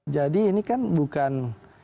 jadi ini kan bukan